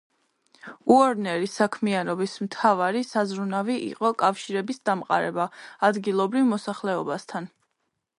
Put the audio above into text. უორნერის საქმიანობის მთავარი საზრუნავი იყო კავშირების დამყარება ადგილობრივ მოსახლეობასთან.